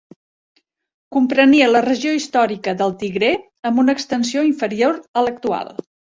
Comprenia la regió històrica del Tigré amb una extensió inferior a l'actual.